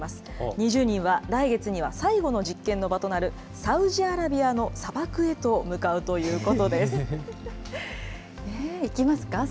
２０人は、来月には最後の実験の場となるサウジアラビアの砂漠へと向かうと行きますか？